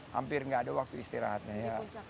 hampir nggak ada waktu istirahatnya ya